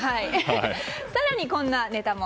更にこんなネタも。